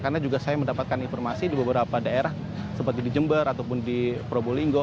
karena juga saya mendapatkan informasi di beberapa daerah seperti di jember ataupun di probolinggo